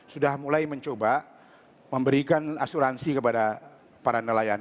sudah mulai mencoba memberikan asuransi kepada para nelayan